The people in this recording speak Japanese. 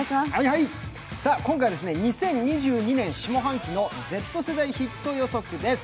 今回は２０２２年下半期のＺ世代ヒット予測です。